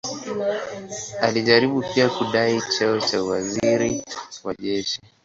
Alijaribu pia kudai cheo cha waziri wa jeshi.